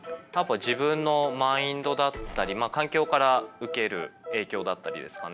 自分のマインドだったり環境から受ける影響だったりですかね。